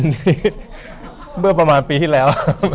นี่เมื่อประมาณปีที่แล้ว